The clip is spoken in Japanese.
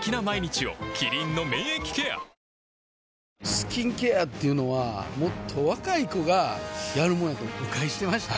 スキンケアっていうのはもっと若い子がやるもんやと誤解してました